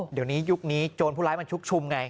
เดี๋ยวนี้ยุคนี้โจรผู้ร้ายมันชุกชุมไง